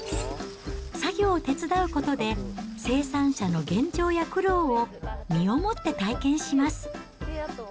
作業を手伝うことで、生産者の現状や苦労を身をもって体験します。